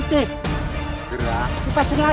tidak ada apa apa